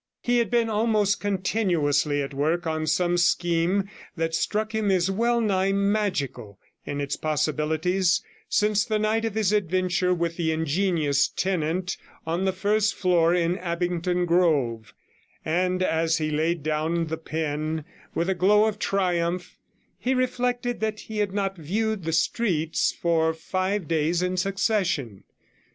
He had been almost continuously at work on some scheme that struck him as well nigh magical in its possibilities since the night of his adventure with the ingenious tenant of the first floor in Abingdon Grove; and as he laid down the pen with a glow of triumph, he reflected that he had not viewed the streets for five days in succession.